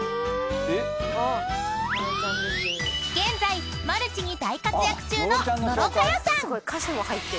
［現在マルチに大活躍中の野呂佳代さん］